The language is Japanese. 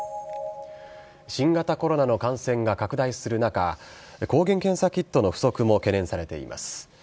新型コロナの感染が拡大する中、抗原検査キットの不足も懸念されています。